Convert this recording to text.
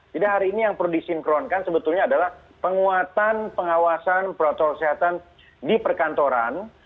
jadi hari ini yang perlu disinkronkan sebetulnya adalah penguatan pengawasan protokol kesehatan di perkantoran